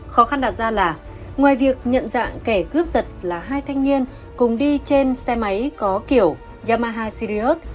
khó khăn đặt ra là ngoài việc nhận dạng kẻ cướp giật là hai thanh niên cùng đi trên xe máy có kiểu yamaha syriot